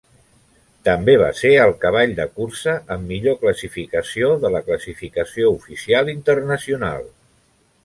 També va ser el cavall de cursa amb millor classificació de la classificació oficial internacional.